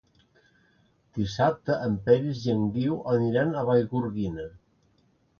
Dissabte en Peris i en Guiu aniran a Vallgorguina.